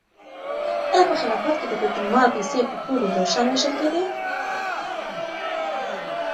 آیا په خلافت کې د بیت المال پیسې په ټولو یو شان وېشل کېدې؟